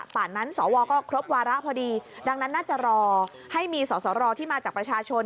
ป่านนั้นสวก็ครบวาระพอดีดังนั้นน่าจะรอให้มีสอสรที่มาจากประชาชน